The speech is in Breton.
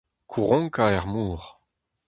Kouronkañ er mor.